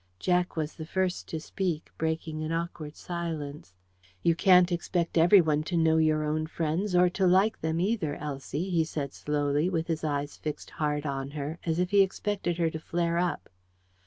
Jack was the first to speak, breaking an awkward silence. "You can't expect everyone to know your own friends, or to like them either, Elsie," he said slowly, with his eyes fixed hard on her, as if he expected her to flare up.